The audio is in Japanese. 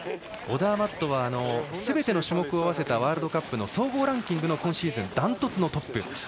オダーマットはすべての種目を合わせたワールドカップ総合ランキングの今シーズン、ダントツのトップ。